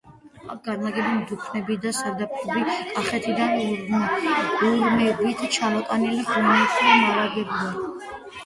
აქ განლაგებული დუქნები და სარდაფები კახეთიდან ურმებით ჩამოტანილი ღვინით მარაგდებოდა.